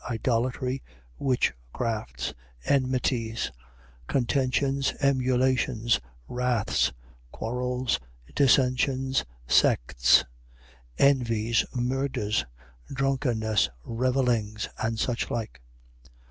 Idolatry, witchcrafts, enmities, contentions, emulations, wraths, quarrels, dissensions, sects, 5:21. Envies, murders, drunkenness, revellings, and such like.